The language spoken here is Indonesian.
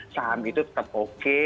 saham itu tetap oke